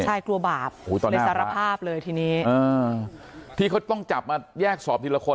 ใช่กลัวบาปในสารภาพเลยทีนี้ที่เขาต้องจับมาแยกสอบทีละคน